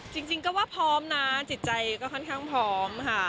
จริงก็ว่าพร้อมนะจิตใจก็ค่อนข้างพร้อมค่ะ